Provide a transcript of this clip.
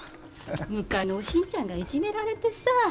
向かいのおしんちゃんがいじめられてさあ。